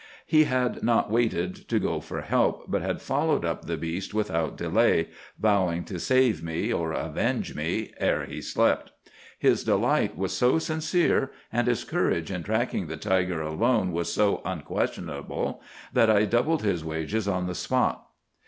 "'He had not waited to go for help, but had followed up the beast without delay, vowing to save me or avenge me ere he slept. His delight was so sincere, and his courage in tracking the tiger alone was so unquestionable, that I doubled his wages on the spot.